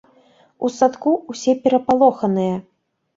У садку ўсе перапалоханыя.